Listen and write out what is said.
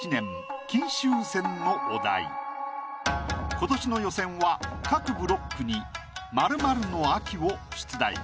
今年の予選は各ブロックに「○○の秋」を出題。